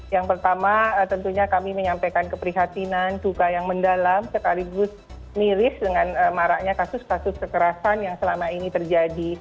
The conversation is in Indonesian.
yang pertama tentunya kami menyampaikan keprihatinan duka yang mendalam sekaligus miris dengan maraknya kasus kasus kekerasan yang selama ini terjadi